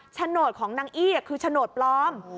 โฉนดของนางอี้คือโฉนดปลอม